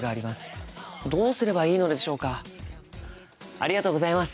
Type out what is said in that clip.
ありがとうございます。